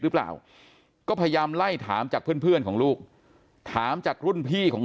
หรือเปล่าก็พยายามไล่ถามจากเพื่อนของลูกถามจากรุ่นพี่ของ